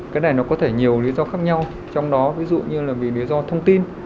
cái này nó có thể nhiều lý do khác nhau trong đó ví dụ như là vì lý do thông tin